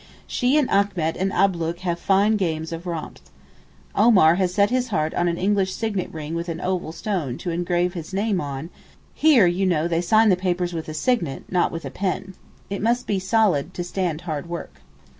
She and Achmet and Ablook have fine games of romps. Omar has set his heart on an English signet ring with an oval stone to engrave his name on, here you know they sign papers with a signet, not with a pen. It must be solid to stand hard work.